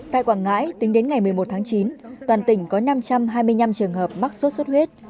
tại quảng ngãi tính đến ngày một mươi một tháng chín toàn tỉnh có năm trăm hai mươi năm trường hợp mắc sốt xuất huyết